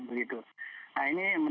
nah ini menurut pak ahmad